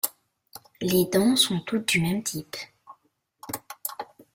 Les dents sont toutes du même type.